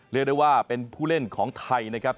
เรียกได้ว่าเป็นผู้เล่นของไทยนะครับ